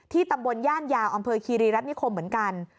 ตำบลย่านยาวอำเภอคีรีรัฐนิคมเหมือนกัน